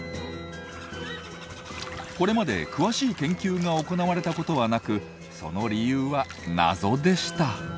これまで詳しい研究が行われたことはなくその理由は謎でした。